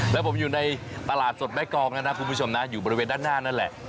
แล้วผมอยู่ในตลาดสดแม่กองแล้วนะคุณผู้ชมนะอยู่บริเวณด้านหน้านั่นแหละ